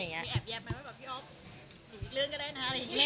มีแอปมาบอกพี่ออฟสิกลิ่นก็ได้นะ